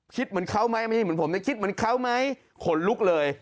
เหมือนเขาไหมไม่ใช่เหมือนผมนะคิดเหมือนเขาไหมขนลุกเลย